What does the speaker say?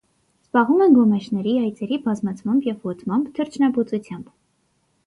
Զբաղվում են գոմեշների, այծերի բազմացմամբ և բուծմամբ, թռչնաբուծությամբ։